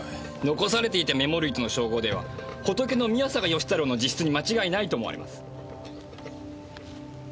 残されていたメモ類との照合ではホトケの宮坂義太郎の自筆に間違いないと思われます。